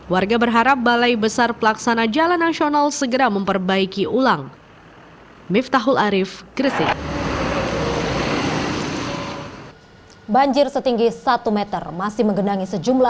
warga berharap balai besar pelaksana jalan nasional segera memperbaiki ulang